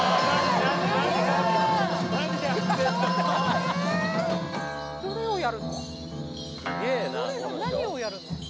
何をやるの？